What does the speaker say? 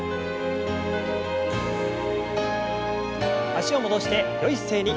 脚を戻してよい姿勢に。